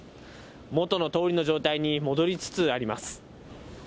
元のとおりの状態に戻りつつあります。